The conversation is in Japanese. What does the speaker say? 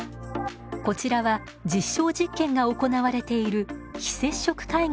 こちらは実証実験が行われている非接触介護の試みです。